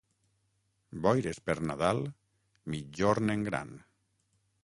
Boires per Nadal, migjorn en gran.